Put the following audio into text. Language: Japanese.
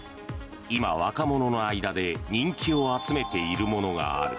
今、若者の間で人気を集めているものがある。